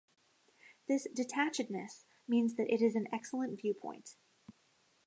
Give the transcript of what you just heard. This 'detachedness' means that it is an excellent viewpoint.